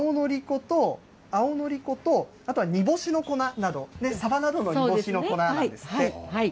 青のり粉と、あとは煮干しの粉など、サバなどの煮干しの粉なんですって。